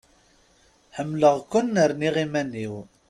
Ḥemleɣ-ken, rniɣ iman-iw!